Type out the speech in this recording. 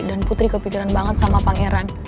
dan putri kepikiran banget sama pangeran